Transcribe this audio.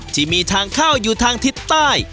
ที่มีทางเข้าอยู่ทางทิศใต้